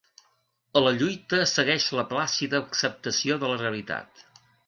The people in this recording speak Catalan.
A la lluita segueix la plàcida acceptació de la realitat.